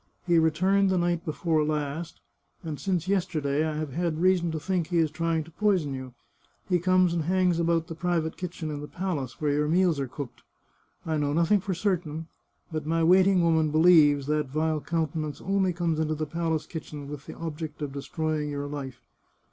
He returned the night before last, and since yesterday I have had reason to think he is try ing to poison you. He comes and hangs about the private kitchen in the palace, where your meals are cooked. I know nothing for certain, but my waiting woman believes that vile countenance only comes into the palace kitchens with the object of destroying your life.